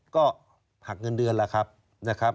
ก็หักเงินเดือนแหละครับ